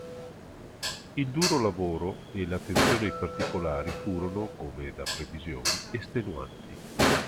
Il duro lavoro e l'attenzione ai particolari furono, come da previsioni, estenuanti.